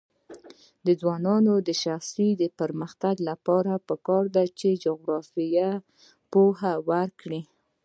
د ځوانانو د شخصي پرمختګ لپاره پکار ده چې جغرافیه پوهه ورکړي.